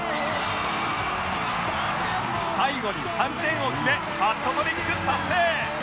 最後に３点を決めハットトリック達成！